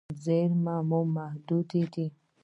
زیرمې مو محدودې دي.